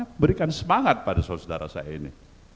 saya memberikan semangat pada saudara saudara saya ini